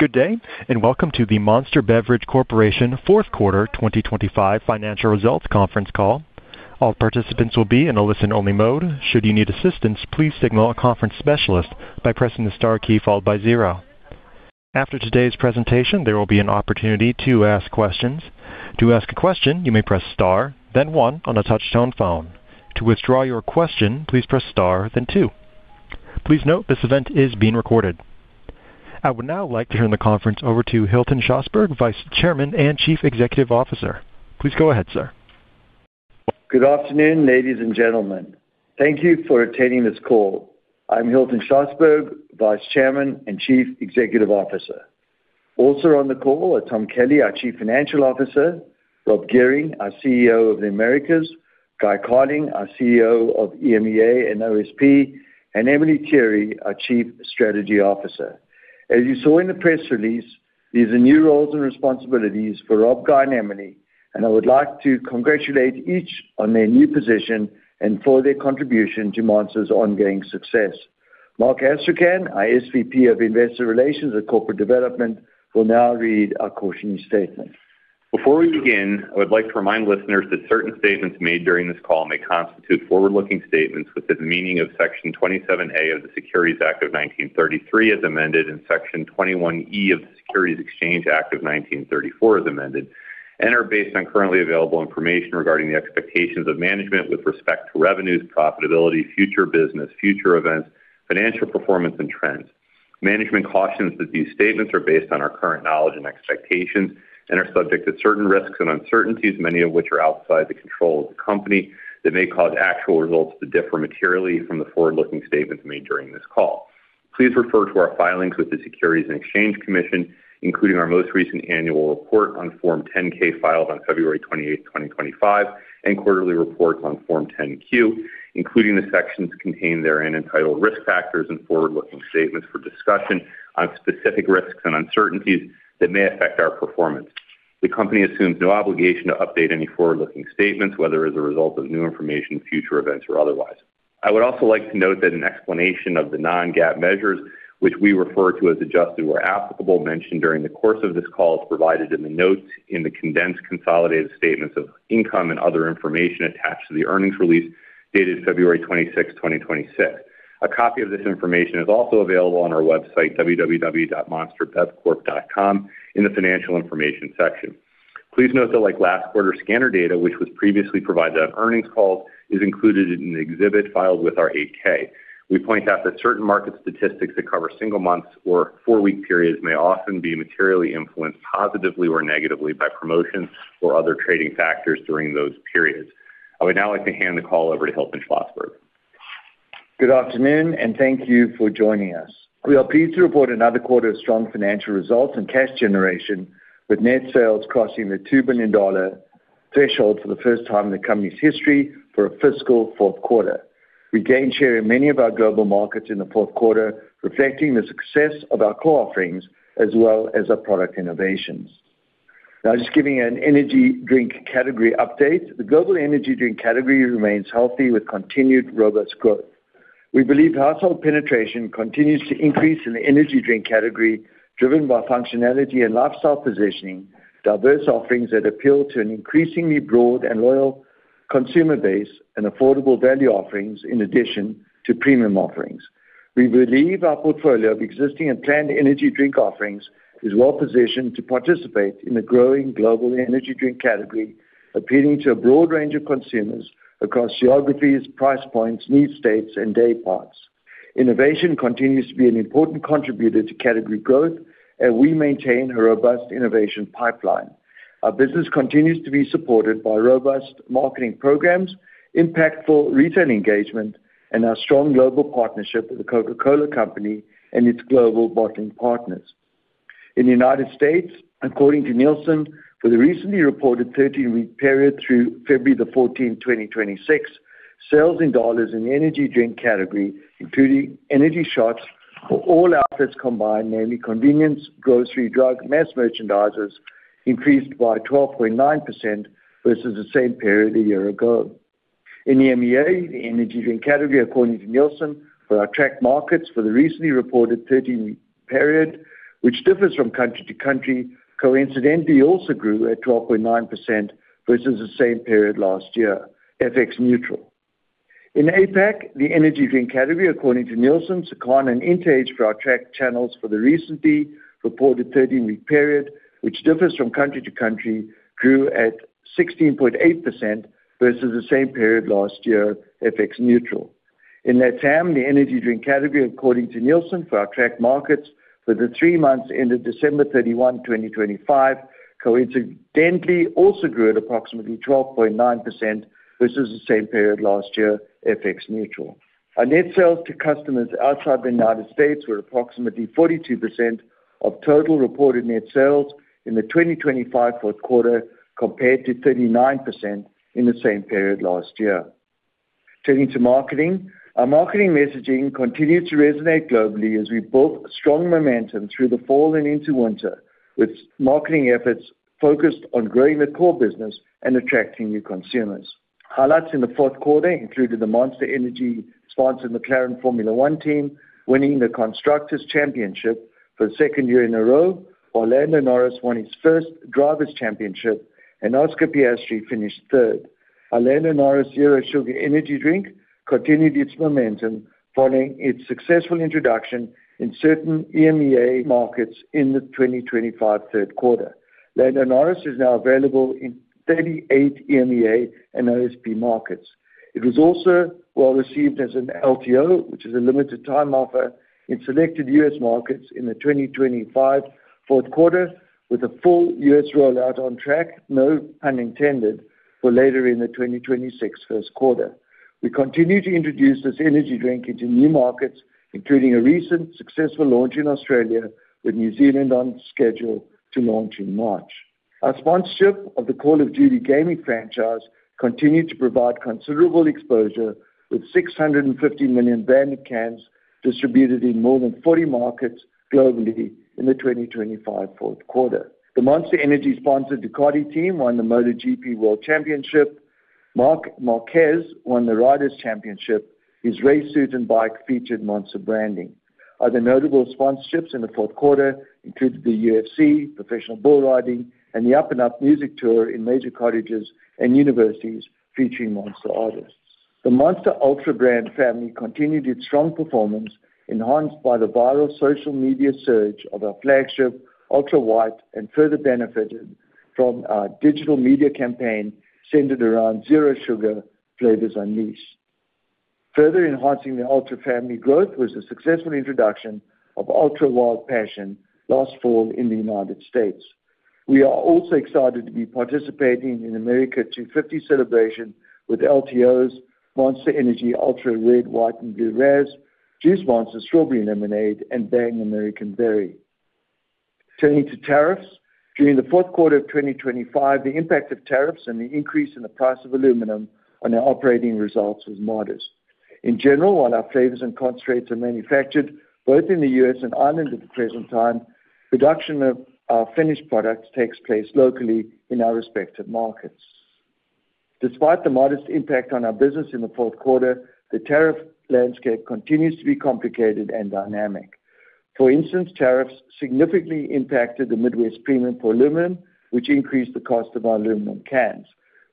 Good day, and welcome to the Monster Beverage Corporation Fourth Quarter 2025 Financial Results Conference Call. All participants will be in a listen-only mode. Should you need assistance, please signal a conference specialist by pressing the star key followed by zero. After today's presentation, there will be an opportunity to ask questions. To ask a question, you may press star then one on a touch-tone phone. To withdraw your question, please press star then two. Please note this event is being recorded. I would now like to turn the conference over to Hilton Schlosberg, Vice Chairman and Chief Executive Officer. Please go ahead, sir. Good afternoon, ladies and gentlemen. Thank you for attending this call. I'm Hilton Schlosberg, Vice Chairman and Chief Executive Officer. Also on the call are Tom Kelly, our Chief Financial Officer, Rob Gehring, our CEO of the Americas, Guy Carling, our CEO of EMEA and OSP, and Emelie Tirre, our Chief Strategy Officer. As you saw in the press release, these are new roles and responsibilities for Rob, Guy, and Emelie, and I would like to congratulate each on their new position and for their contribution to Monster's ongoing success. Marc Astrachan, our SVP of Investor Relations and Corporate Development, will now read a caution statement. Before we begin, I would like to remind listeners that certain statements made during this call may constitute forward-looking statements within the meaning of Section 27A of the Securities Act of 1933 as amended, and Section 21E of the Securities Exchange Act of 1934 as amended and are based on currently available information regarding the expectations of management with respect to revenues, profitability, future business, future events, financial performance, and trends. Management cautions that these statements are based on our current knowledge and expectations and are subject to certain risks and uncertainties, many of which are outside the control of the company, that may cause actual results to differ materially from the forward-looking statements made during this call. Please refer to our filings with the Securities and Exchange Commission, including our most recent annual report on Form 10-K filed on February 28, 2025, and quarterly reports on Form 10-Q, including the sections contained therein entitled Risk Factors and Forward-Looking Statements for discussion on specific risks and uncertainties that may affect our performance. The company assumes no obligation to update any forward-looking statements, whether as a result of new information, future events, or otherwise. I would also like to note that an explanation of the non-GAAP measures, which we refer to as adjusted where applicable, mentioned during the course of this call, is provided in the notes in the condensed consolidated statements of income and other information attached to the earnings release dated February 26, 2026. A copy of this information is also available on our website, www.monsterbevcorp.com, in the Financial Information section. Please note that like last quarter, scanner data, which was previously provided on earnings calls, is included in the exhibit filed with our 8-K. We point out that certain market statistics that cover single months or four-week periods may often be materially influenced positively or negatively by promotions or other trading factors during those periods. I would now like to hand the call over to Hilton Schlosberg. Good afternoon, and thank you for joining us. We are pleased to report another quarter of strong financial results and cash generation, with net sales crossing the $2 billion threshold for the first time in the company's history for a fiscal fourth quarter. We gained share in many of our global markets in the fourth quarter, reflecting the success of our core offerings as well as our product innovations. Just giving an energy drink category update. The global energy drink category remains healthy with continued robust growth. We believe household penetration continues to increase in the energy drink category, driven by functionality and lifestyle positioning, diverse offerings that appeal to an increasingly broad and loyal consumer base, and affordable value offerings in addition to premium offerings. We believe our portfolio of existing and planned energy drink offerings is well-positioned to participate in the growing global energy drink category, appealing to a broad range of consumers across geographies, price points, need states, and day parts. Innovation continues to be an important contributor to category growth. We maintain a robust innovation pipeline. Our business continues to be supported by robust marketing programs, impactful retail engagement, and our strong global partnership with The Coca-Cola Company and its global bottling partners. In the United States, according to Nielsen, for the recently reported 13-week period through February the 14th, 2026, sales in dollars in the energy drink category, including energy shots for all outlets combined, namely convenience, grocery, drug, mass merchandisers, increased by 12.9% versus the same period a year ago. In EMEA, the energy drink category, according to Nielsen, for our tracked markets for the recently reported 13-week period, which differs from country to country, coincidentally also grew at 12.9% versus the same period last year, FX neutral. In APAC, the energy drink category, according to Nielsen, Circana, and INTAGE for our tracked channels for the recently reported 13-week period, which differs from country to country, grew at 16.8% versus the same period last year, FX neutral. In LATAM, the energy drink category, according to Nielsen, for our tracked markets for the 3 months ended December 31, 2025, coincidentally also grew at approximately 12.9% versus the same period last year, FX neutral. Our net sales to customers outside the United States were approximately 42% of total reported net sales in the 2025 fourth quarter, compared to 39% in the same period last year. Turning to marketing. Our marketing messaging continued to resonate globally as we built strong momentum through the fall and into winter, with marketing efforts focused on growing the core business and attracting new consumers. Highlights in the fourth quarter included the Monster Energy-sponsored McLaren Formula 1 team winning the Constructors' Championship for the second year in a row. Lando Norris won his first Drivers' Championship, and Oscar Piastri finished third. Lando Norris Zero Sugar energy drink continued its momentum following its successful introduction in certain EMEA markets in the 2025 third quarter. Lando Norris is now available in 38 EMEA and OSP markets. It was also well received as an LTO, which is a limited-time offer in selected U.S. markets in the 2025 fourth quarter, with a full U.S. rollout on track, no pun intended, for later in the 2026 first quarter. We continue to introduce this energy drink into new markets, including a recent successful launch in Australia, with New Zealand on schedule to launch in March. Our sponsorship of the Call of Duty gaming franchise continued to provide considerable exposure with 650 million branded cans distributed in more than 40 markets globally in the 2025 fourth quarter. The Monster Energy sponsored Ducati team won the MotoGP World Championship. Marc Márquez won the Riders' Championship. His race suit and bike featured Monster branding. Other notable sponsorships in the fourth quarter included the UFC, professional bull riding, and the Up & Up music tour in major colleges and universities featuring Monster artists. The Monster Ultra brand family continued its strong performance, enhanced by the viral social media surge of our flagship Ultra White and further benefited from our digital media campaign centered around zero sugar flavors unleashed. Further enhancing the Ultra family growth was the successful introduction of Ultra Wild Passion last fall in the United States. We are also excited to be participating in America250 celebration with LTOs, Monster Energy Ultra Red, White & Blue Razz, Juice Monster Strawberry Lemonade and Bang American Berry. Turning to tariffs. During the fourth quarter of 2025, the impact of tariffs and the increase in the price of aluminum on our operating results was modest. In general, while our flavors and concentrates are manufactured both in the U.S. and Ireland at the present time, production of our finished products takes place locally in our respective markets. Despite the modest impact on our business in the fourth quarter, the tariff landscape continues to be complicated and dynamic. For instance, tariffs significantly impacted the Midwest Premium for aluminum, which increased the cost of our aluminum cans.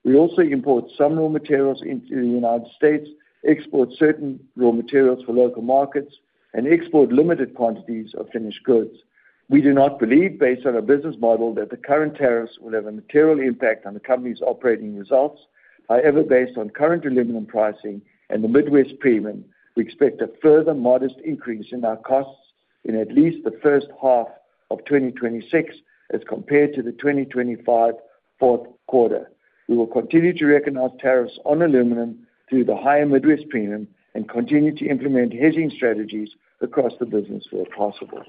We also import some raw materials into the United States, export certain raw materials for local markets, and export limited quantities of finished goods. We do not believe, based on our business model, that the current tariffs will have a material impact on the company's operating results. However, based on current aluminum pricing and the Midwest premium, we expect a further modest increase in our costs in at least the first half of 2026 as compared to the 2025 fourth quarter. We will continue to recognize tariffs on aluminum through the higher Midwest premium and continue to implement hedging strategies across the business where possible.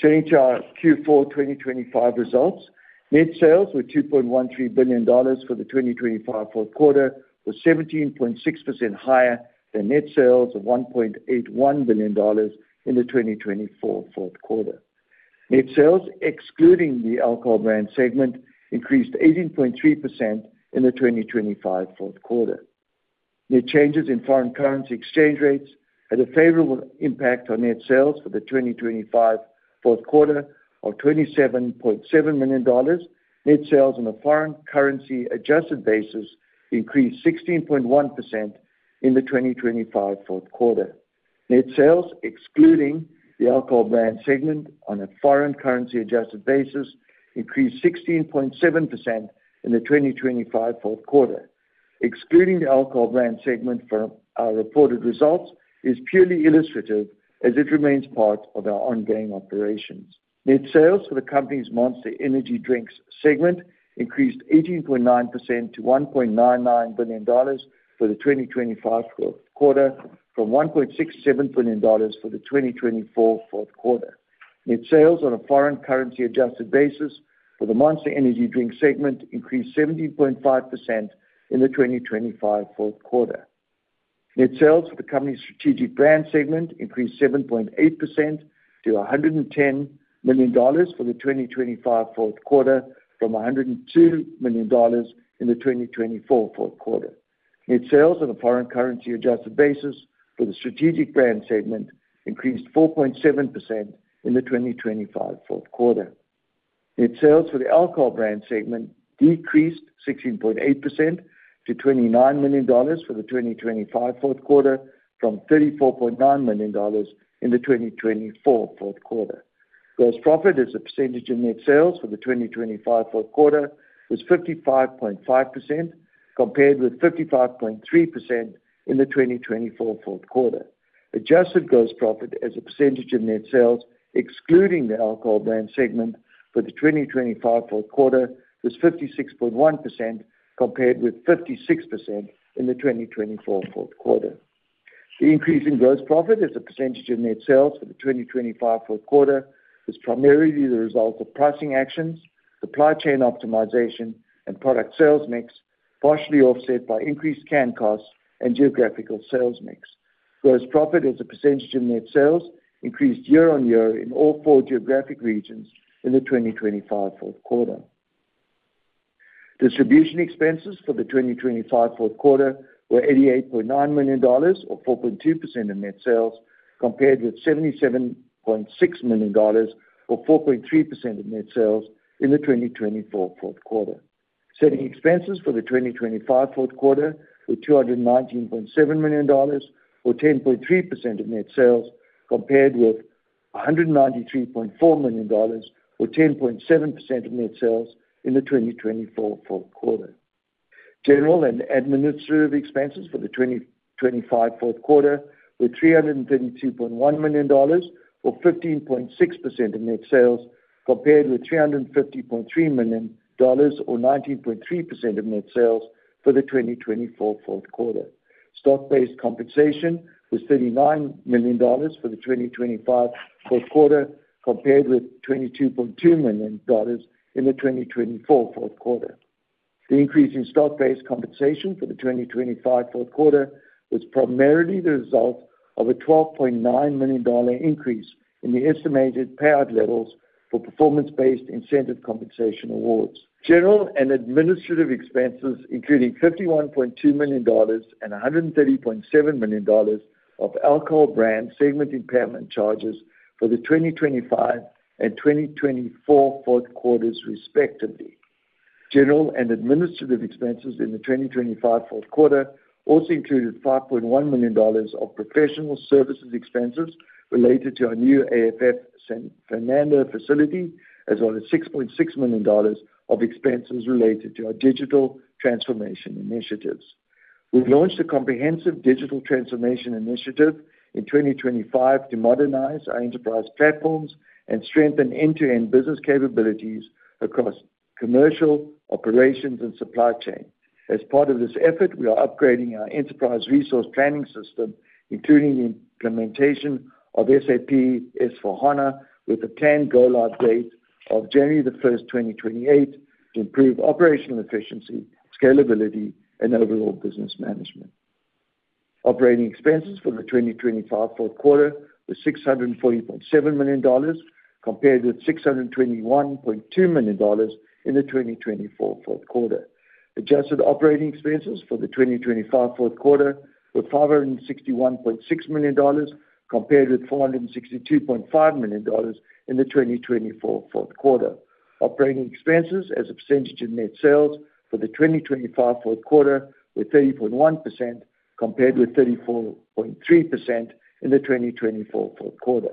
Turning to our Q4 2025 results. Net sales were $2.13 billion for the 2025 fourth quarter, was 17.6% higher than net sales of $1.81 billion in the 2024 fourth quarter. Net sales, excluding the alcohol brand segment, increased 18.3% in the 2025 fourth quarter. Net changes in foreign currency exchange rates had a favorable impact on net sales for the 2025 fourth quarter of $27.7 million. Net sales on a foreign currency adjusted basis increased 16.1% in the 2025 fourth quarter. Net sales, excluding the alcohol brand segment on a foreign currency adjusted basis, increased 16.7% in the 2025 fourth quarter. Excluding the alcohol brand segment from our reported results is purely illustrative as it remains part of our ongoing operations. Net sales for the company's Monster Energy Drinks segment increased 18.9% to $1.99 billion for the 2025 fourth quarter from $1.67 billion for the 2024 fourth quarter. Net sales on a foreign currency adjusted basis for the Monster Energy Drinks segment increased 17.5% in the 2025 fourth quarter. Net sales for the company's strategic brand segment increased 7.8% to $110 million for the 2025 fourth quarter from $102 million in the 2024 fourth quarter. Net sales on a foreign currency adjusted basis for the strategic brand segment increased 4.7% in the 2025 fourth quarter. Net sales for the alcohol brand segment decreased 16.8% to $29 million for the 2025 fourth quarter from $34.9 million in the 2024 fourth quarter. Gross profit as a percentage of net sales for the 2025 fourth quarter was 55.5%, compared with 55.3% in the 2024 fourth quarter. Adjusted gross profit as a percentage of net sales, excluding the alcohol brand segment for the 2025 fourth quarter, was 56.1%, compared with 56% in the 2024 fourth quarter. The increase in gross profit as a percentage of net sales for the 2025 fourth quarter was primarily the result of pricing actions, supply chain optimization, and product sales mix, partially offset by increased can costs and geographical sales mix. Gross profit as a percentage in net sales increased year-over-year in all four geographic regions in the 2025 fourth quarter. Distribution expenses for the 2025 fourth quarter were $88.9 million, or 4.2% of net sales, compared with $77.6 million, or 4.3% of net sales, in the 2024 fourth quarter. Selling expenses for the 2025 fourth quarter were $219.7 million, or 10.3% of net sales, compared with $193.4 million, or 10.7% of net sales, in the 2024 fourth quarter. General and administrative expenses for the 2025 fourth quarter were $332.1 million or 15.6% of net sales, compared with $350.3 million or 19.3% of net sales for the 2024 fourth quarter. Stock-based compensation was $39 million for the 2025 fourth quarter, compared with $22.2 million in the 2024 fourth quarter. The increase in stock-based compensation for the 2025 fourth quarter was primarily the result of a $12.9 million increase in the estimated payout levels for performance-based incentive compensation awards. General and administrative expenses, including $51.2 million and $130.7 million of alcohol brand segment impairment charges for the 2025 and 2024 fourth quarters, respectively. General and administrative expenses in the 2025 fourth quarter also included $5.1 million of professional services expenses related to our new AFF San Fernando facility, as well as $6.6 million of expenses related to our digital transformation initiatives. We've launched a comprehensive digital transformation initiative in 2025 to modernize our enterprise platforms and strengthen end-to-end business capabilities across commercial, operations, and supply chain. As part of this effort, we are upgrading our enterprise resource planning system, including the implementation of SAP S/4HANA, with a planned go-live date of January 1, 2028, to improve operational efficiency, scalability, and overall business management. Operating expenses for the 2025 fourth quarter was $640.7 million, compared with $621.2 million in the 2024 fourth quarter. Adjusted operating expenses for the 2025 fourth quarter were $561.6 million, compared with $462.5 million in the 2024 fourth quarter. Operating expenses as a percentage of net sales for the 2025 fourth quarter were 30.1%, compared with 34.3% in the 2024 fourth quarter.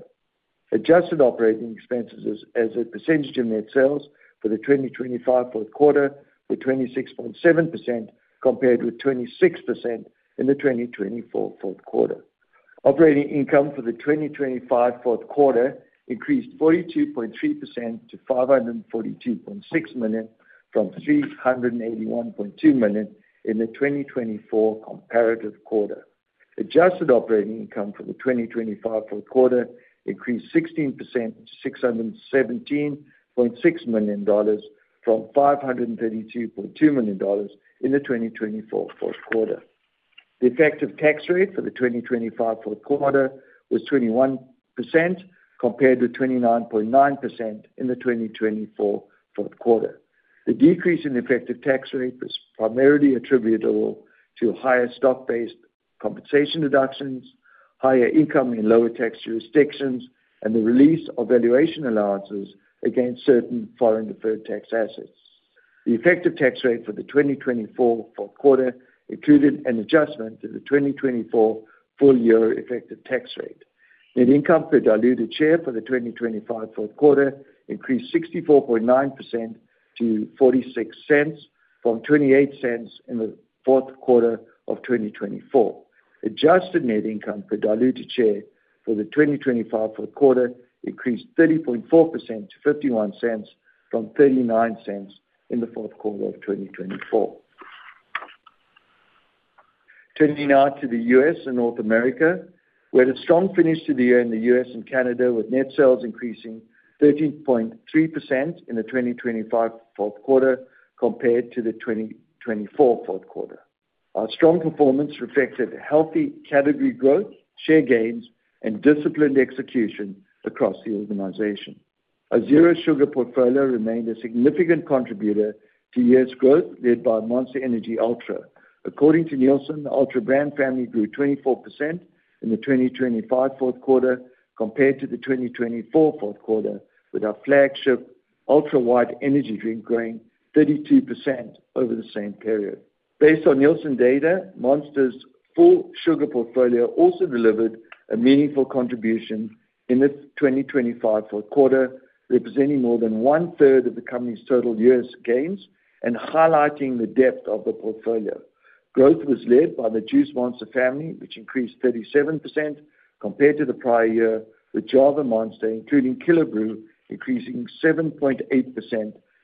Adjusted operating expenses as a percentage of net sales for the 2025 fourth quarter were 26.7%, compared with 26% in the 2024 fourth quarter. Operating income for the 2025 fourth quarter increased 42.3% to $542.6 million, from $381.2 million in the 2024 comparative quarter. Adjusted operating income for the 2025 fourth quarter increased 16% to $617.6 million from $532.2 million in the 2024 fourth quarter. The effective tax rate for the 2025 fourth quarter was 21%, compared to 29.9% in the 2024 fourth quarter. The decrease in effective tax rate was primarily attributable to higher stock-based compensation deductions, higher income in lower tax jurisdictions, and the release of valuation allowances against certain foreign deferred tax assets. The effective tax rate for the 2024 fourth quarter included an adjustment to the 2024 full-year effective tax rate. Net income per diluted share for the 2025 fourth quarter increased 64.9% to $0.46 from $0.28 in the fourth quarter of 2024. Adjusted net income per diluted share for the 2025 fourth quarter increased 30.4% to $0.51 from $0.39 in the fourth quarter of 2024. Turning now to the US and North America. We had a strong finish to the year in the U.S. and Canada, with net sales increasing 13.3% in the 2025 fourth quarter compared to the 2024 fourth quarter. Our strong performance reflected healthy category growth, share gains, and disciplined execution across the organization. Our zero sugar portfolio remained a significant contributor to year's growth, led by Monster Energy Ultra. According to Nielsen, the Ultra brand family grew 24% in the 2025 fourth quarter compared to the 2024 fourth quarter, with our flagship Ultra White energy drink growing 32% over the same period. Based on Nielsen data, Monster's full sugar portfolio also delivered a meaningful contribution in the 2025 fourth quarter, representing more than 1/3 of the company's total years gains and highlighting the depth of the portfolio. Growth was led by the Juice Monster Family, which increased 37% compared to the prior year, with Java Monster, including Killer Brew, increasing 7.8%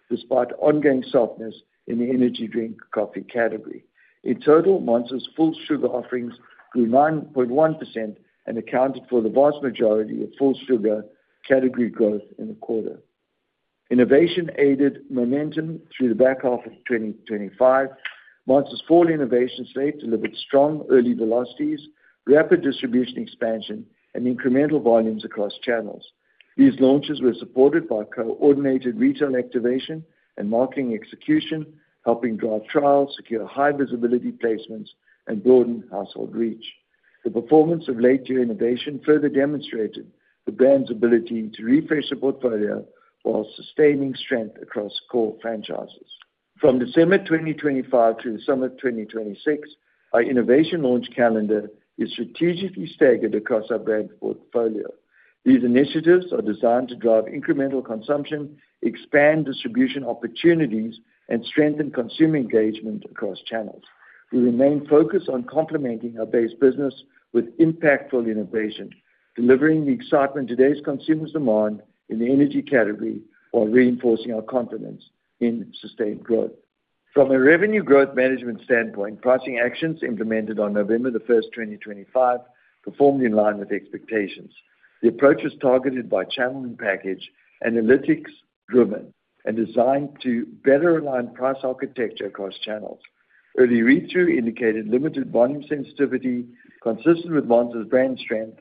despite ongoing softness in the energy drink coffee category. In total, Monster's full sugar offerings grew 9.1% and accounted for the vast majority of full sugar category growth in the quarter. Innovation aided momentum through the back half of 2025. Monster's fall innovation slate delivered strong early velocities, rapid distribution expansion, and incremental volumes across channels. These launches were supported by coordinated retail activation and marketing execution, helping drive trials, secure high visibility placements, and broaden household reach. The performance of late-year innovation further demonstrated the brand's ability to refresh the portfolio while sustaining strength across core franchises. From December 2025 through summer 2026, our innovation launch calendar is strategically staggered across our brand portfolio. These initiatives are designed to drive incremental consumption, expand distribution opportunities, and strengthen consumer engagement across channels. We remain focused on complementing our base business with impactful innovation, delivering the excitement today's consumers demand in the energy category while reinforcing our confidence in sustained growth. From a revenue growth management standpoint, pricing actions implemented on November the first, 2025 performed in line with expectations. The approach was targeted by channel and package, analytics-driven, and designed to better align price architecture across channels. Early read-through indicated limited volume sensitivity consistent with Monster's brand strength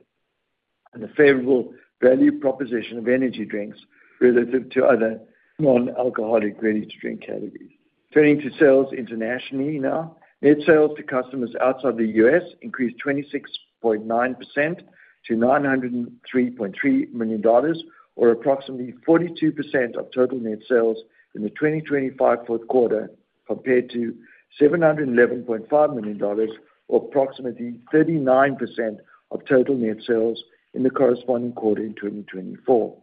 and a favorable value proposition of energy drinks relative to other non-alcoholic ready-to-drink categories. Turning to sales internationally now. Net sales to customers outside the U.S. increased 26.9% to $903.3 million, or approximately 42% of total net sales in the 2025 fourth quarter, compared to $711.5 million or approximately 39% of total net sales in the corresponding quarter in 2024.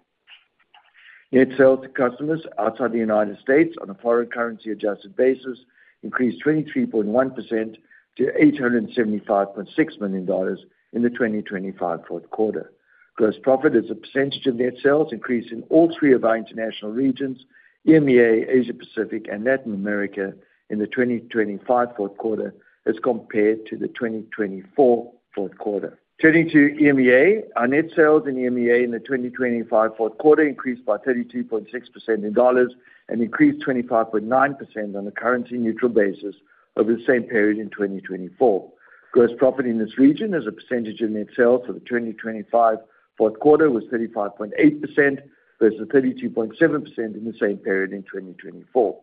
Net sales to customers outside the United States on a foreign currency adjusted basis increased 23.1% to $875.6 million in the 2025 fourth quarter. Gross profit as a percentage of net sales increased in all three of our international regions, EMEA, Asia Pacific, and Latin America in the 2025 fourth quarter as compared to the 2024 fourth quarter. Turning to EMEA. Our net sales in EMEA in the 2025 fourth quarter increased by 32.6% in dollars and increased 25.9% on a currency-neutral basis over the same period in 2024. Gross profit in this region as a percentage of net sales for the 2025 fourth quarter was 35.8% versus 32.7% in the same period in 2024.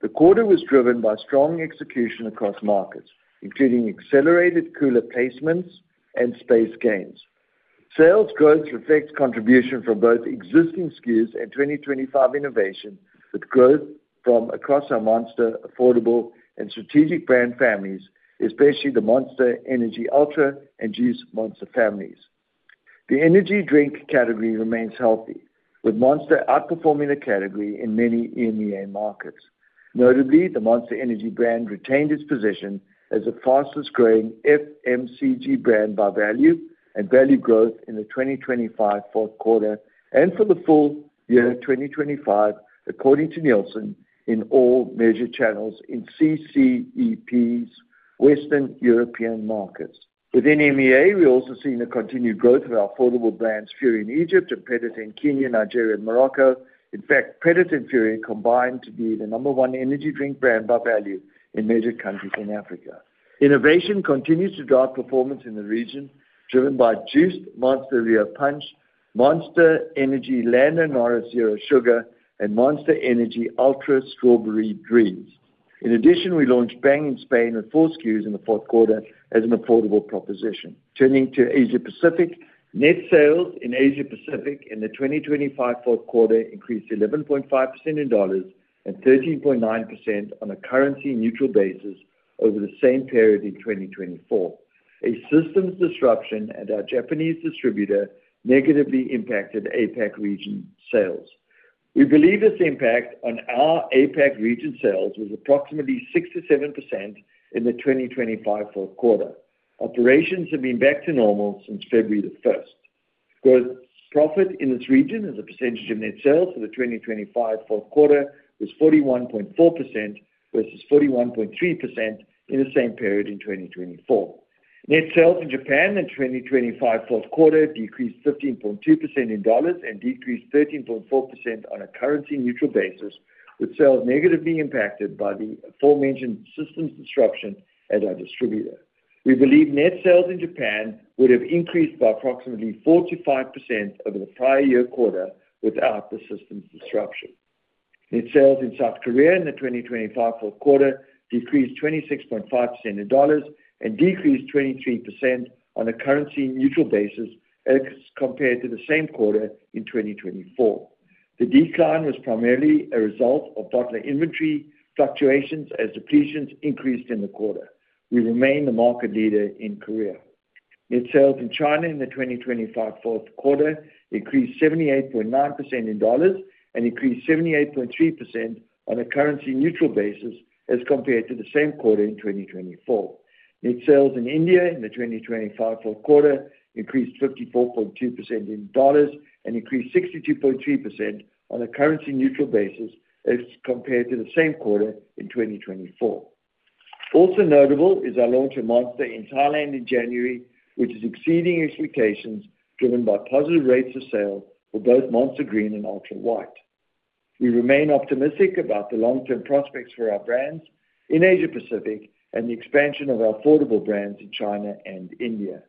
The quarter was driven by strong execution across markets, including accelerated cooler placements and space gains. Sales growth reflects contribution from both existing SKUs and 2025 innovation, with growth from across our Monster affordable and strategic brand families, especially the Monster Energy Ultra and Juice Monster families. The energy drink category remains healthy, with Monster outperforming the category in many EMEA markets. Notably, the Monster Energy brand retained its position as the fastest-growing FMCG brand by value and value growth in the 2025 fourth quarter and for the full year 2025, according to Nielsen, in all measured channels in CCEP's Western European markets. Within EMEA, we also seen a continued growth of our affordable brands, Fury in Egypt and Predator in Kenya, Nigeria, and Morocco. In fact, Predator and Fury combined to be the number one energy drink brand by value in measured countries in Africa. Innovation continues to drive performance in the region, driven by Juiced Monster Rio Punch, Monster Energy Lando Norris Zero Sugar, and Monster Energy Ultra Strawberry Dreams. In addition, we launched Bang in Spain with four SKUs in the fourth quarter as an affordable proposition. Turning to Asia Pacific. Net sales in Asia Pacific in the 2025 fourth quarter increased 11.5% in dollars and 13.9% on a currency-neutral basis over the same period in 2024. A systems disruption at our Japanese distributor negatively impacted APAC region sales. We believe this impact on our APAC region sales was approximately 6%-7% in the 2025 fourth quarter. Operations have been back to normal since February 1st. Gross profit in this region as a percentage of net sales for the 2025 fourth quarter was 41.4% versus 41.3% in the same period in 2024. Net sales in Japan in the 2025 fourth quarter decreased 15.2% in dollars and decreased 13.4% on a currency-neutral basis, with sales negatively impacted by the aforementioned systems disruption at our distributor. We believe net sales in Japan would have increased by approximately 4%-5% over the prior year quarter without the systems disruption. Net sales in South Korea in the 2025 fourth quarter decreased 26.5% in dollars and decreased 23% on a currency-neutral basis as compared to the same quarter in 2024. The decline was primarily a result of dollar inventory fluctuations as depletions increased in the quarter. We remain the market leader in Korea. Net sales in China in the 2025 fourth quarter increased 78.9% in dollars and increased 78.3% on a currency-neutral basis as compared to the same quarter in 2024. Net sales in India in the 2025 fourth quarter increased 54.2% in dollars and increased 62.3% on a currency-neutral basis as compared to the same quarter in 2024. Also notable is our launch of Monster in Thailand in January, which is exceeding expectations driven by positive rates of sale for both Monster Green and Ultra White. We remain optimistic about the long-term prospects for our brands in Asia Pacific and the expansion of our affordable brands in China and India.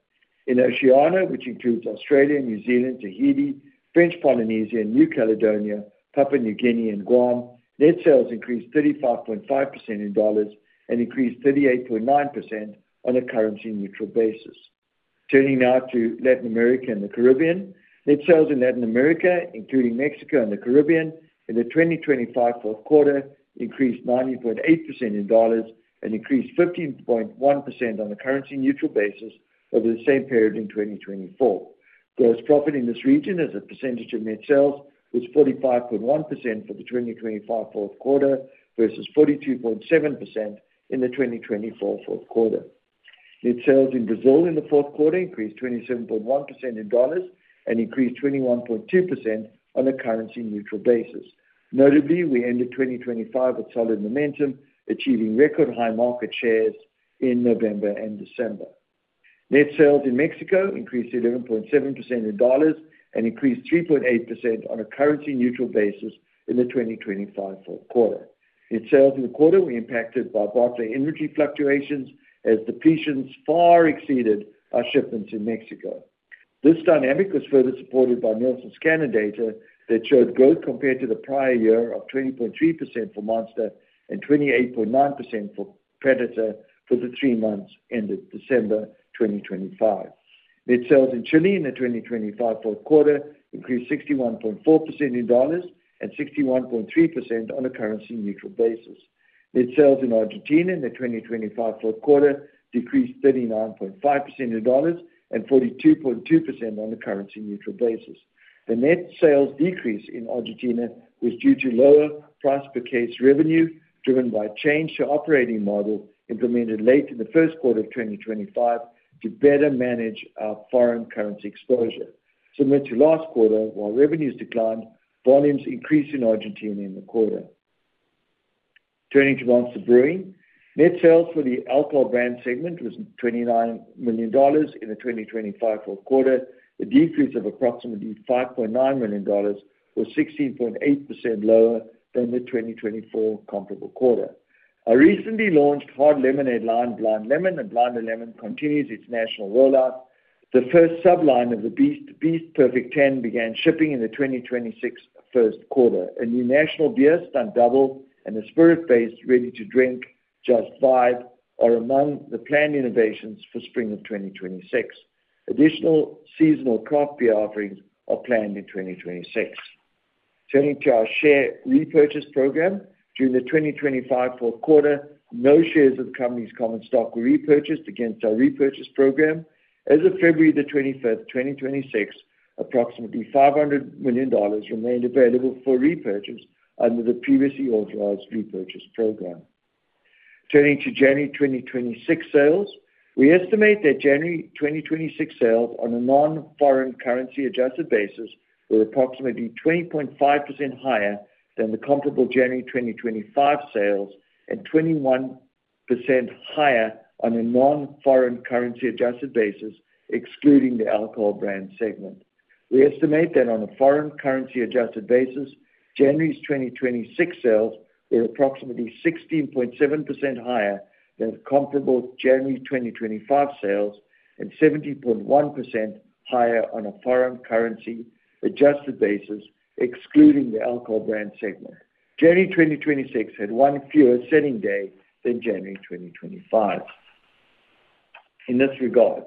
In Oceania, which includes Australia, New Zealand, Tahiti, French Polynesia, and New Caledonia, Papua New Guinea, and Guam, net sales increased 35.5% in dollars and increased 38.9% on a currency-neutral basis. Turning now to Latin America and the Caribbean. Net sales in Latin America, including Mexico and the Caribbean, in the 2025 fourth quarter increased 90.8% in dollars and increased 15.1% on a currency-neutral basis over the same period in 2024. Gross profit in this region as a percentage of net sales was 45.1% for the 2025 fourth quarter versus 42.7% in the 2024 fourth quarter. Net sales in Brazil in the fourth quarter increased 27.1% in dollar and increased 21.2% on a currency-neutral basis. Notably, we ended 2025 with solid momentum, achieving record-high market shares in November and December. Net sales in Mexico increased 11.7% in dollars and increased 3.8% on a currency-neutral basis in the 2025 fourth quarter. Net sales in the quarter were impacted by bottling inventory fluctuations as depletions far exceeded our shipments in Mexico. This dynamic was further supported by Nielsen's scanner data that showed growth compared to the prior year of 20.3% for Monster and 28.9% for Predator for the three months ended December 2025. Net sales in Chile in the 2025 fourth quarter increased 61.4% in dollars and 61.3% on a currency-neutral basis. Net sales in Argentina in the 2025 fourth quarter decreased 39.5% in dollars and 42.2% on a currency-neutral basis. The net sales decrease in Argentina was due to lower price per case revenue driven by change to operating model implemented late in the first quarter of 2025 to better manage our foreign currency exposure. Similar to last quarter, while revenues declined, volumes increased in Argentina in the quarter. Turning to Monster Brewing. Net sales for the alcohol brand segment was $29 million in the 2025 fourth quarter. The decrease of approximately $5.9 million was 16.8% lower than the 2024 comparable quarter. Our recently launched hard lemonade line, Blind Lemon Hard Lemonade continues its national rollout. The first sub-line of The Beast Unleashed, Beast Perfect Ten, began shipping in the 2026 first quarter. A new national beer, Stunt Double, and a spirit-based ready-to-drink, Just Five, are among the planned innovations for spring of 2026. Additional seasonal craft beer offerings are planned in 2026. Turning to our share repurchase program. During the 2025 fourth quarter, no shares of the company's common stock were repurchased against our repurchase program. As of February 25, 2026, approximately $500 million remained available for repurchase under the previously authorized repurchase program. Turning to January 2026 sales. We estimate that January 2026 sales on a non-foreign currency adjusted basis were approximately 20.5% higher than the comparable January 2025 sales and 21% higher on a non-foreign currency adjusted basis, excluding the alcohol brand segment. We estimate that on a foreign currency adjusted basis, January's 2026 sales were approximately 16.7% higher than comparable January 2025 sales and 17.1% higher on a foreign currency adjusted basis, excluding the alcohol brand segment. January 2026 had one fewer selling day than January 2025. In this regard,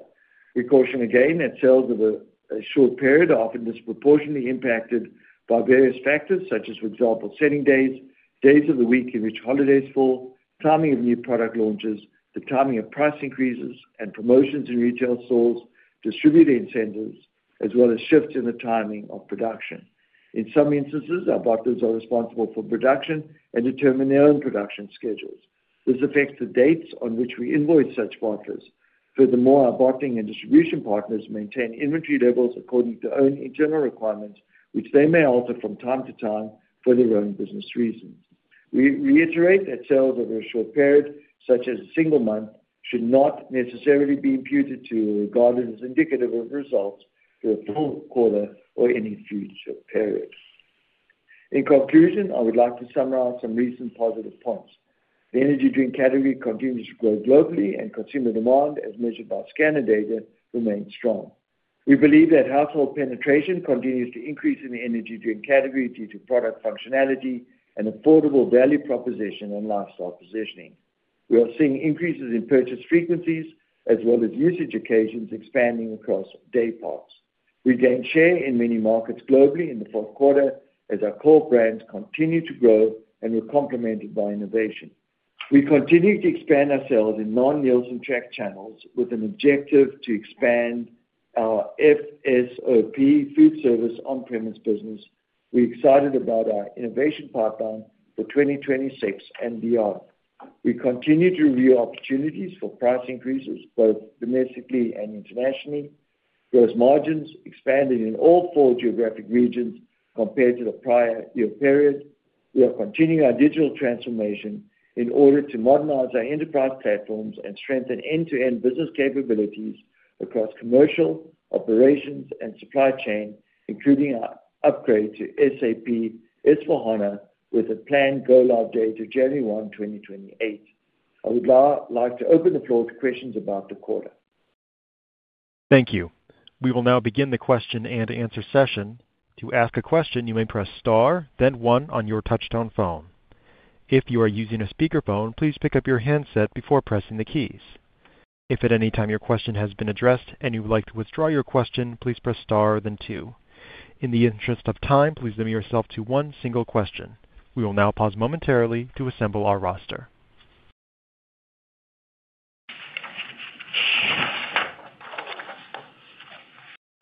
we caution again that sales over a short period are often disproportionately impacted by various factors, such as, for example, selling days of the week in which holidays fall, timing of new product launches, the timing of price increases and promotions in retail stores, distributor incentives, as well as shifts in the timing of production. In some instances, our bottlers are responsible for production and determine their own production schedules. This affects the dates on which we invoice such bottlers. Furthermore, our bottling and distribution partners maintain inventory levels according to own internal requirements, which they may alter from time to time for their own business reasons. We reiterate that sales over a short period, such as a single month, should not necessarily be imputed to or regarded as indicative of results for a full quarter or any future periods. In conclusion, I would like to summarize some recent positive points. The energy drink category continues to grow globally, and consumer demand, as measured by scanner data, remains strong. We believe that household penetration continues to increase in the energy drink category due to product functionality and affordable value proposition and lifestyle positioning. We are seeing increases in purchase frequencies as well as usage occasions expanding across day parts. We gained share in many markets globally in the fourth quarter as our core brands continue to grow and were complemented by innovation. We continue to expand our sales in non-Nielsen tracked channels with an objective to expand our FSOP, food service on-premise business. We're excited about our innovation pipeline for 2026 and beyond. We continue to review opportunities for price increases both domestically and internationally. Gross margins expanded in all four geographic regions compared to the prior year period. We are continuing our digital transformation in order to modernize our enterprise platforms and strengthen end-to-end business capabilities across commercial, operations, and supply chain, including our upgrade to SAP S/4HANA with a planned go-live date of January 1, 2028. I would like to open the floor to questions about the quarter. Thank you. We will now begin the question-and-answer session. To ask a question, you may press star then one on your touchtone phone. If you are using a speakerphone, please pick up your handset before pressing the keys. If at any time your question has been addressed and you would like to withdraw your question, please press star then two. In the interest of time, please limit yourself to one single question. We will now pause momentarily to assemble our roster.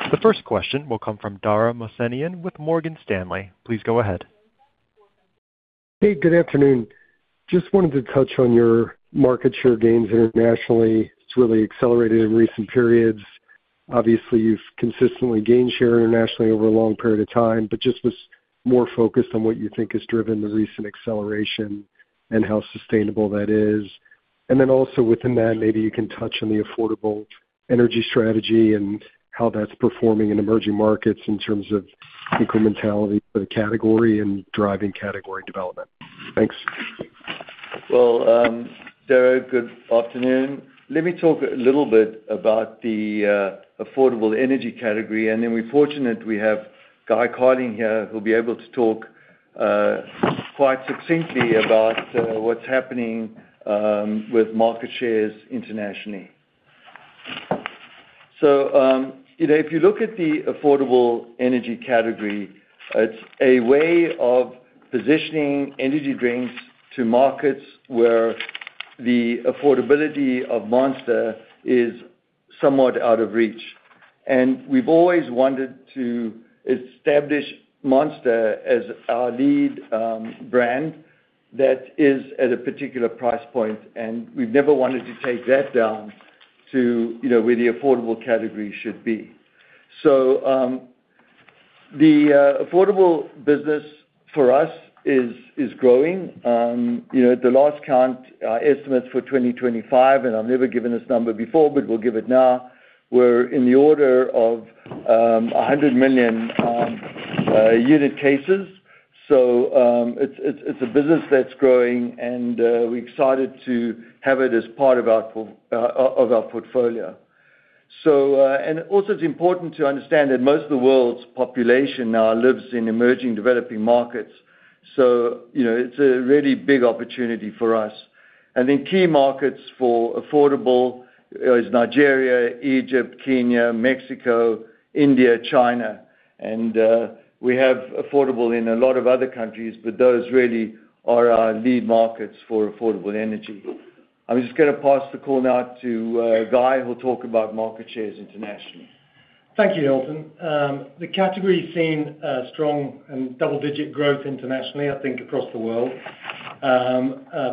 The first question will come from Dara Mohsenian with Morgan Stanley. Please go ahead. Hey, good afternoon. Just wanted to touch on your market share gains internationally. It's really accelerated in recent periods. Obviously, you've consistently gained share internationally over a long period of time, but just was more focused on what you think has driven the recent acceleration and how sustainable that is. Then also within that, maybe you can touch on the affordable energy strategy and how that's performing in emerging markets in terms of incrementality for the category and driving category development. Thanks. Dara Mohsenian, good afternoon. Let me talk a little bit about the affordable energy category, and then we're fortunate we have Guy Carling here, who'll be able to talk quite succinctly about what's happening with market shares internationally. If you look at the affordable energy category, it's a way of positioning energy drinks to markets where the affordability of Monster is somewhat out of reach. We've always wanted to establish Monster as our lead brand that is at a particular price point, and we've never wanted to take that down to where the affordable category should be. The affordable business for us is growing. At the last count, estimates for 2025, and I've never given this number before, but we'll give it now, we're in the order of 100 million unit cases. It's a business that's growing and we're excited to have it as part of our portfolio. Also, it's important to understand that most of the world's population now lives in emerging developing markets. you know, it's a really big opportunity for us. In key markets for affordable is Nigeria, Egypt, Kenya, Mexico, India, China, and we have affordable in a lot of other countries, but those really are our lead markets for affordable energy. I'm just gonna pass the call now to Guy, who'll talk about market shares internationally. Thank you, Hilton. The category has seen strong and double-digit growth internationally, I think across the world.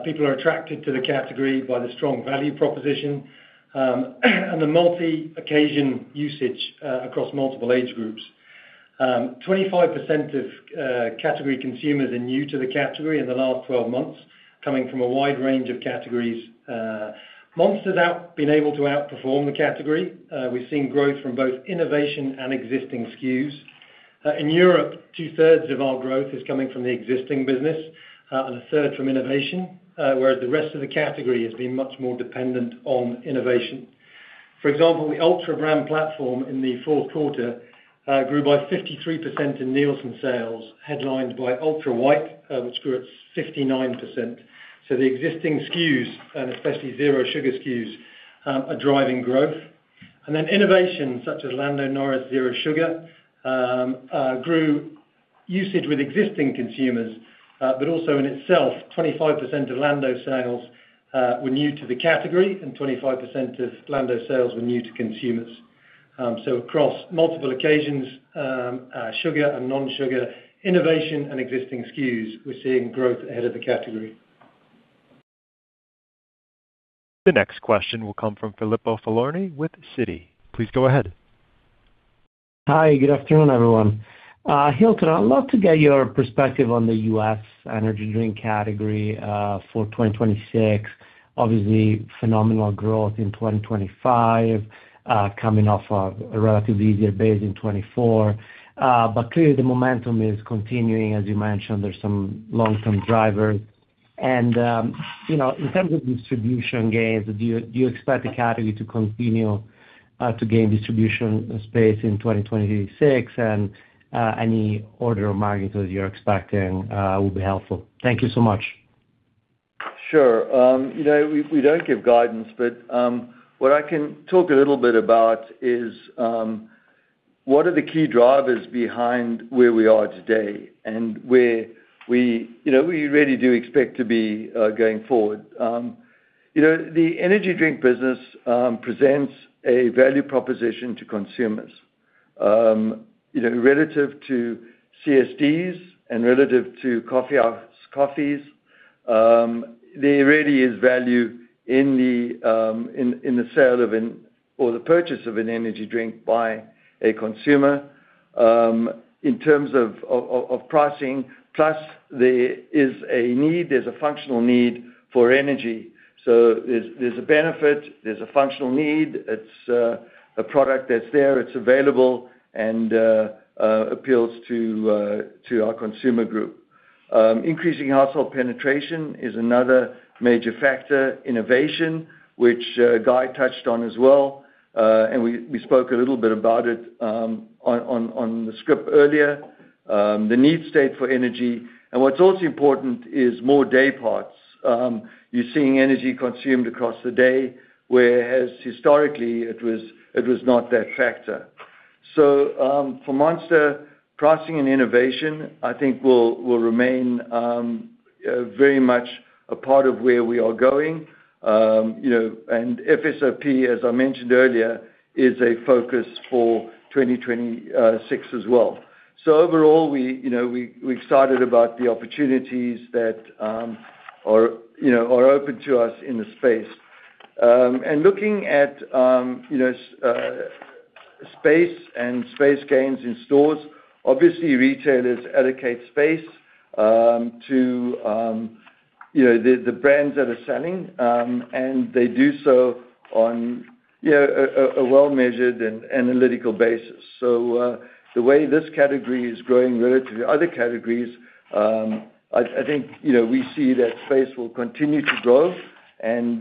People are attracted to the category by the strong value proposition, and the multi-occasion usage across multiple age groups. 25% of category consumers are new to the category in the last 12 months, coming from a wide range of categories. Monster's been able to outperform the category. We've seen growth from both innovation and existing SKUs. In Europe, two-thirds of our growth is coming from the existing business, and a third from innovation, whereas the rest of the category has been much more dependent on innovation. For example, the Ultra brand platform in the fourth quarter grew by 53% in Nielsen sales, headlined by Ultra White, which grew at 59%. The existing SKUs, and especially zero-sugar SKUs, are driving growth. Innovations such as Lando Norris Zero Sugar grew usage with existing consumers, but also in itself, 25% of Lando sales were new to the category, and 25% of Lando sales were new to consumers. Across multiple occasions, sugar and non-sugar, innovation and existing SKUs, we're seeing growth ahead of the category. The next question will come from Filippo Falorni with Citi. Please go ahead. Hi. Good afternoon, everyone. Hilton, I'd love to get your perspective on the U.S. energy drink category for 2026. Obviously, phenomenal growth in 2025, coming off a relatively easier base in 2024. Clearly the momentum is continuing. As you mentioned, there's some long-term drivers. You know, in terms of distribution gains, do you expect the category to continue to gain distribution space in 2026? Any order of magnitude you're expecting will be helpful. Thank you so much. Sure. We don't give guidance, but what I can talk a little bit about is what are the key drivers behind where we are today and where we. You know, we really do expect to be going forward. The energy drink business presents a value proposition to consumers. Relative to CSDs and relative to coffee house coffees, there really is value in the sale of an or the purchase of an energy drink by a consumer, in terms of pricing. There is a need, there's a functional need for energy. There's a benefit, there's a functional need. It's a product that's there, it's available and appeals to our consumer group. Increasing household penetration is another major factor. Innovation, which Guy touched on as well. We spoke a little bit about it on the script earlier. The need state for energy. What's also important is more day parts. You're seeing energy consumed across the day, whereas historically it was not that factor. For Monster, pricing and innovation will remain very much a part of where we are going. FSOP, as I mentioned earlier, is a focus for 2026 as well. Overall, we're excited about the opportunities that are open to us in the space. Looking at space and space gains in stores, obviously, retailers allocate space to the brands that are selling, and they do so on a well-measured and analytical basis. The way this category is growing relative to other categories we see that space will continue to grow and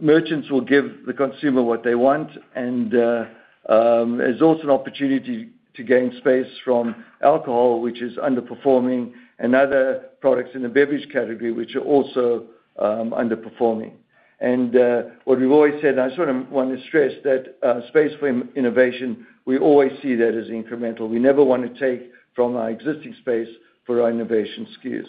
merchants will give the consumer what they want. There's also an opportunity to gain space from alcohol, which is underperforming and other products in the beverage category which are also underperforming. What we've always said, and I wanna stress that, space for in-innovation, we always see that as incremental. We never wanna take from our existing space for our innovation SKUs.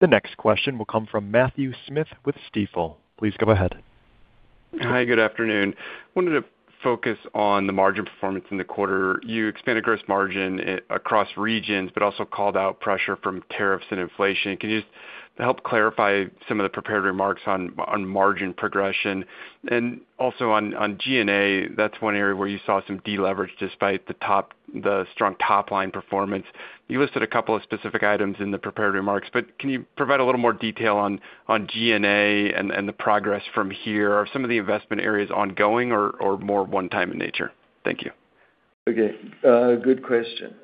The next question will come from Matthew Smith with Stifel. Please go ahead. Hi, good afternoon. Wanted to focus on the margin performance in the quarter. You expanded gross margin across regions, but also called out pressure from tariffs and inflation. Can you just help clarify some of the prepared remarks on margin progression? And also on G&A, that's one area where you saw some deleverage despite the strong top-line performance. You listed a couple of specific items in the prepared remarks, but can you provide a little more detail on G&A and the progress from here? Are some of the investment areas ongoing or more one-time in nature? Thank you. Okay. Good question.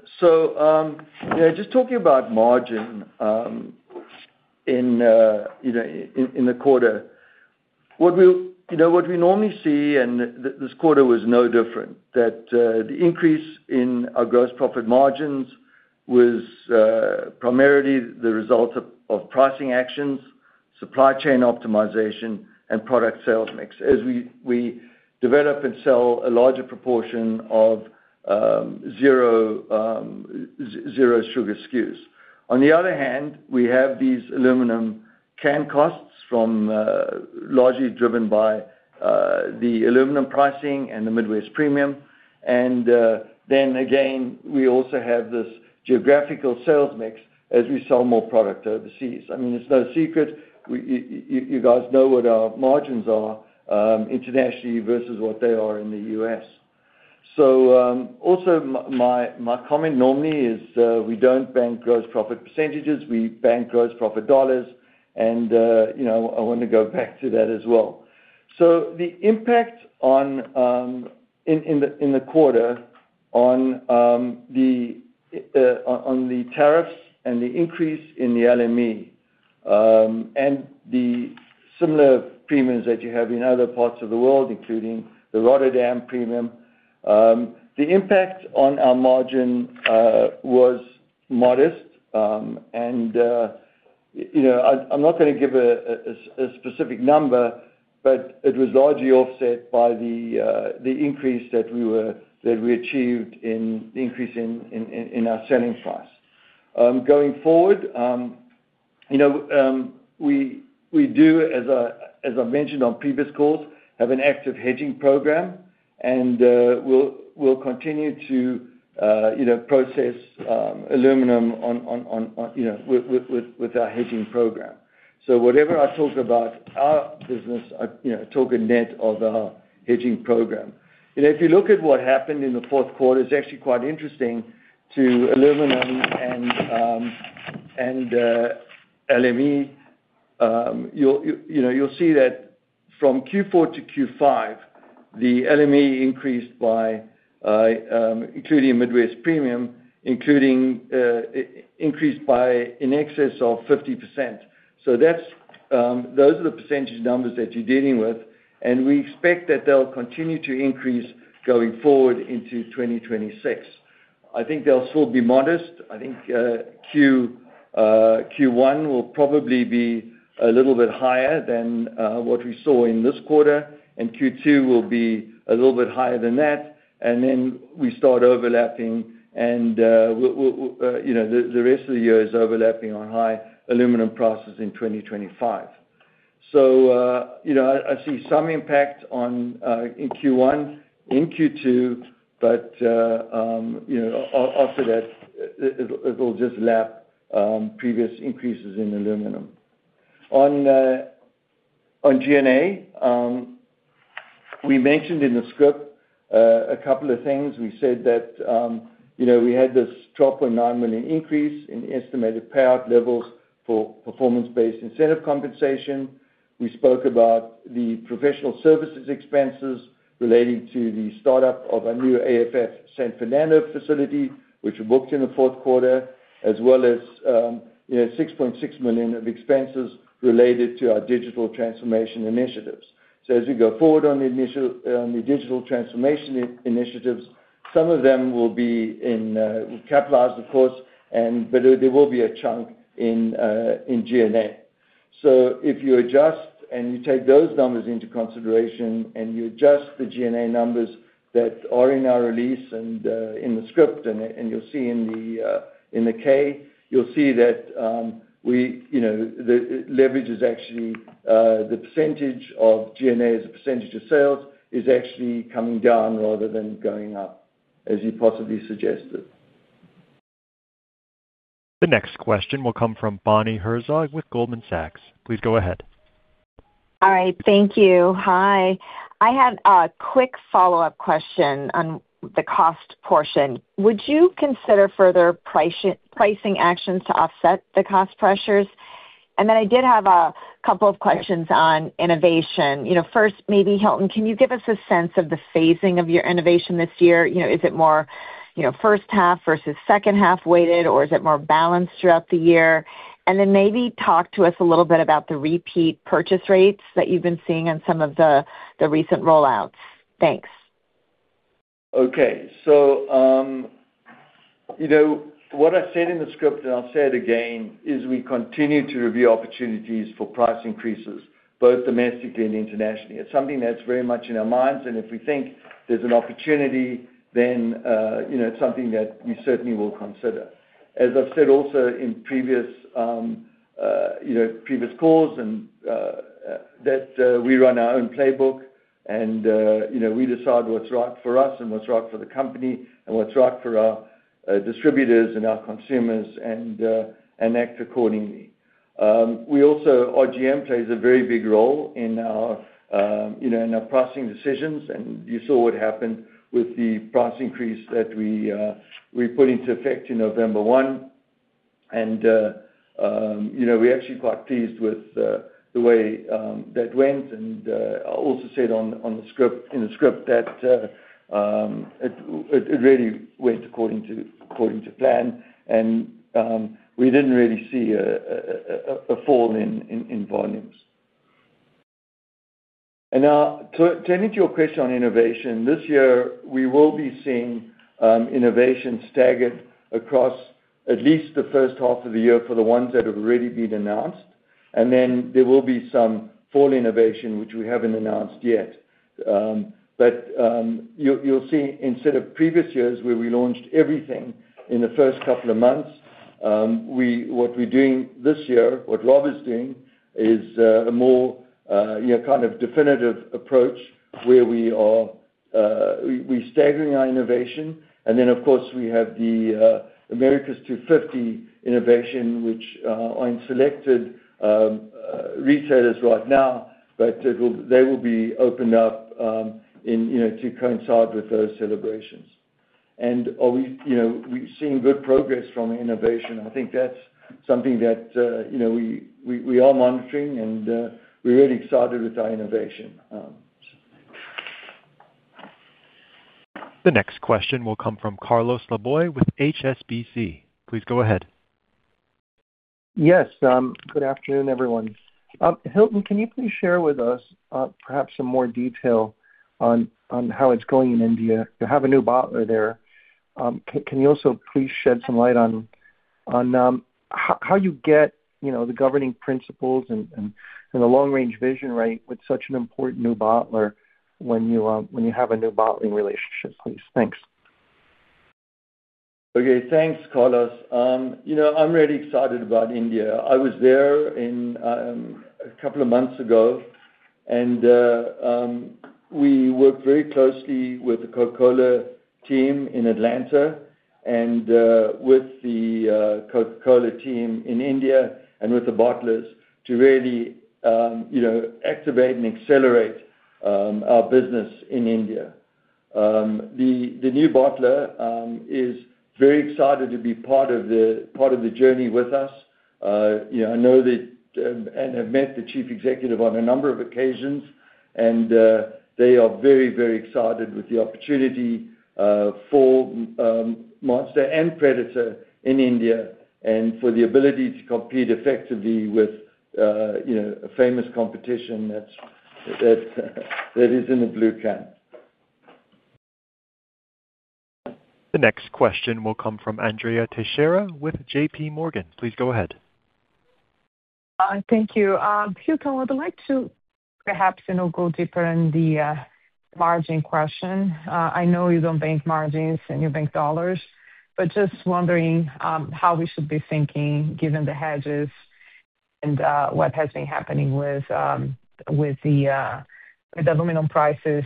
Just talking about margin in in the quarter. What we normally see, and this quarter was no different, that the increase in our gross profit margins was primarily the result of pricing actions, supply chain optimization, and product sales mix as we develop and sell a larger proportion of zero sugar SKUs. On the other hand, we have these aluminum can costs from largely driven by the aluminum pricing and the Midwest Premium. Then again, we also have this geographical sales mix as we sell more product overseas. I mean, it's no secret. You guys know what our margins are internationally versus what they are in the U.S. Also my comment normally is, we don't bank gross profit percentages, we bank gross profit dollars, and, you know, I wanna go back to that as well. The impact on in the quarter on the tariffs and the increase in the LME and the similar premiums that you have in other parts of the world, including the Rotterdam premium, the impact on our margin was modest. I'm not gonna give a specific number, but it was largely offset by the increase that we achieved in the increase in our selling price. Going forward, we do, as I've mentioned on previous calls, have an active hedging program, and we'll continue to, you know, process aluminum on, you know, with our hedging program. Whatever I talk about our business, I talk a net of our hedging program. If you look at what happened in the fourth quarter, it's actually quite interesting to aluminum and LME. You'll see that from Q4-Q5, the LME increased by, including a Midwest premium, increased by in excess of 50%. That's those are the percentage numbers that you're dealing with, and we expect that they'll continue to increase going forward into 2026. I think they'll still be modest. I think Q1 will probably be a little bit higher than what we saw in this quarter, and Q2 will be a little bit higher than that. Then we start overlapping and, you know, the rest of the year is overlapping on high aluminum prices in 2025. I see some impact in Q1, in Q2, but after that, it will just lap previous increases in aluminum. On GNA, we mentioned in the script a couple of things. We said that we had this drop of $9 million increase in estimated payout levels for performance-based incentive compensation. We spoke about the professional services expenses relating to the startup of our new AFF San Fernando facility, which we booked in the fourth quarter, as well as, you know, $6.6 million of expenses related to our digital transformation initiatives. As we go forward on the digital transformation initiatives, some of them will be in capital and but there will be a chunk in G&A. If you adjust and you take those numbers into consideration and you adjust the G&A numbers that are in our release and in the script, and you'll see in the 10-K, you'll see that, you know, the leverage is actually the percentage of G&A as a percentage of sales is actually coming down rather than going up as you possibly suggested. The next question will come from Bonnie Herzog with Goldman Sachs. Please go ahead. All right. Thank you. Hi. I had a quick follow-up question on the cost portion. Would you consider further pricing actions to offset the cost pressures? I did have a couple of questions on innovation. First, maybe Hilton, can you give us a sense of the phasing of your innovation this year? Is it more first-half versus second-half weighted, or is it more balanced throughout the year? Maybe talk to us a little bit about the repeat purchase rates that you've been seeing on some of the recent rollouts. Thanks. What I said in the script, and I'll say it again, is we continue to review opportunities for price increases, both domestically and internationally. It's something that's very much in our minds, and if we think there's an opportunity, then it's something that we certainly will consider. As I've said also in previous, you know, previous calls and that we run our own playbook and we decide what's right for us and what's right for the company and what's right for our distributors and our consumers and act accordingly. We also, OGM plays a very big role in our pricing decisions, and you saw what happened with the price increase that we put into effect in November 1. We're actually quite pleased with the way that went. I also said in the script that it really went according to plan and we didn't really see a fall in volumes. Now turning to your question on innovation, this year we will be seeing innovation staggered across at least the first half of the year for the ones that have already been announced. There will be some fall innovation which we haven't announced yet. You'll see instead of previous years where we launched everything in the first couple of months, what we're doing this year, what Rob is doing is a more, you know, kind of definitive approach where we're staggering our innovation. Of course, we have the America250 innovation, which are in selected retailers right now. They will be opened up to coincide with those celebrations. We've seen good progress from innovation. I think that's something that we are monitoring and we're really excited with our innovation. The next question will come from Carlos Laboy with HSBC. Please go ahead. Yes. Good afternoon, everyone. Hilton, can you please share with us perhaps some more detail on how it's going in India to have a new bottler there? Can you also please shed some light on how you get the governing principles and the long-range vision with such an important new bottler when you have a new bottling relationship, please? Thanks. Okay, thanks, Carlos. I'm really excited about India. I was there in a couple of months ago. We worked very closely with the Coca-Cola team in Atlanta and with the Coca-Cola team in India and with the bottlers to really activate and accelerate our business in India. The new bottler is very excited to be part of the journey with us. I know that and have met the Chief Executive on a number of occasions and they are very, very excited with the opportunity for Monster and Predator in India and for the ability to compete effectively with a famous competition that's in a blue can. The next question will come from Andrea Teixeira with JP Morgan. Please go ahead. Thank you. Hilton, I would like to, perhaps go deeper in the margin question. I know you don't bank margins and you bank dollars, but just wondering how we should be thinking given the hedges and what has been happening with the aluminum prices.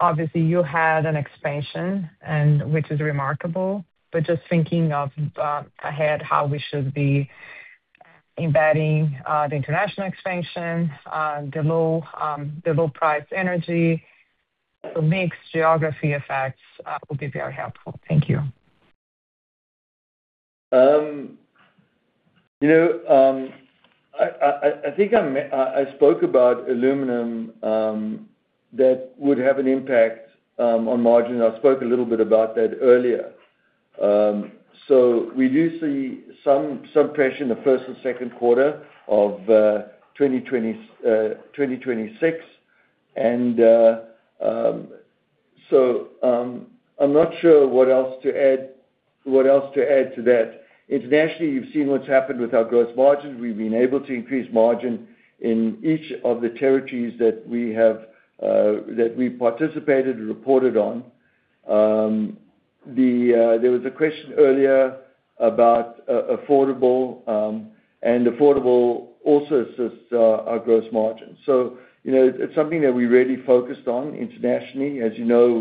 Obviously you had an expansion and which is remarkable. Just thinking of ahead how we should be embedding the international expansion, the low price energy. Mix geography effects will be very helpful. Thank you. I spoke about aluminum that would have an impact on margin. I spoke a little bit about that earlier. We do see some suppression the first and second quarter of 2026. I'm not sure what else to add to that. Internationally, you've seen what's happened with our gross margins. We've been able to increase margin in each of the territories that we have that we participated and reported on. There was a question earlier about affordable, and affordable also assists our gross margin. It's something that we really focused on internationally. As you know,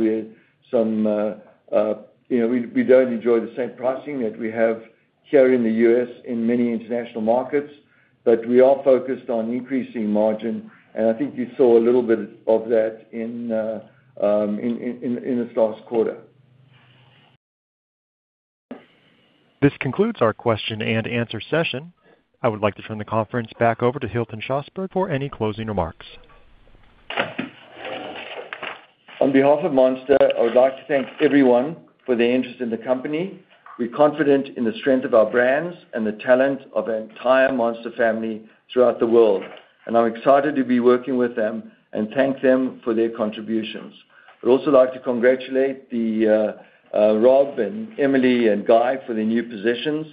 we don't enjoy the same pricing that we have here in the U.S. in many international markets. We are focused on increasing margin, and you saw a little bit of that in this last quarter. This concludes our question-and-answer session. I would like to turn the conference back over to Hilton Schlosberg for any closing remarks. On behalf of Monster, I would like to thank everyone for their interest in the company. We're confident in the strength of our brands and the talent of the entire Monster family throughout the world. I'm excited to be working with them and thank them for their contributions. I'd also like to congratulate Rob and Emelie and Guy for their new positions,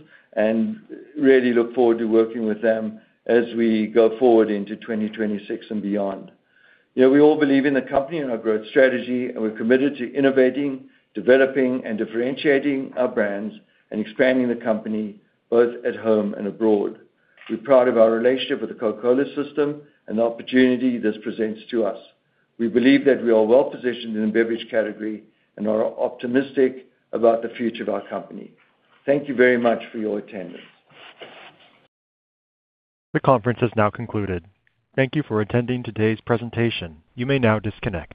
really look forward to working with them as we go forward into 2026 and beyond. We all believe in the company and our growth strategy, we're committed to innovating, developing, and differentiating our brands and expanding the company both at home and abroad. We're proud of our relationship with The Coca-Cola system and the opportunity this presents to us. We believe that we are well-positioned in the beverage category and are optimistic about the future of our company. Thank you very much for your attendance. The conference has now concluded. Thank you for attending today's presentation. You may now disconnect.